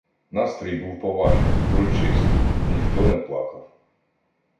Настрій був поважний, урочистий, ніхто не плакав.